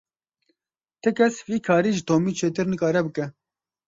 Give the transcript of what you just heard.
Ti kes vî karî ji Tomî çêtir nikare bike.